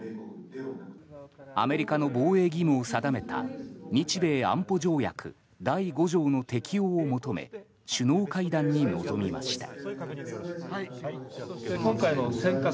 アメリカの防衛義務を定めた日米安保条約第５条の適用を求め首脳会談に臨みました。